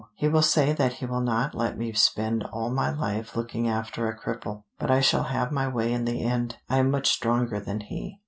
He will say that he will not let me spend all my life looking after a cripple. But I shall have my way in the end. I am much stronger than he."